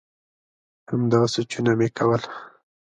همدا سوچونه مي کول ؟